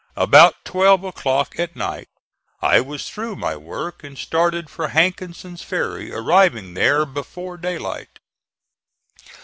About twelve o'clock at night I was through my work and started for Hankinson's ferry, arriving there before daylight.